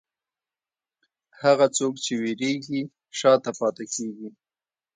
هغه څوک چې وېرېږي، شا ته پاتې کېږي.